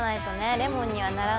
レモンにはならないから。